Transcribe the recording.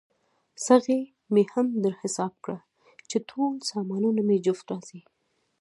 څغۍ مې هم در حساب کړه، چې ټول سامانونه مې جفت راځي.